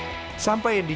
kepala kepala kepala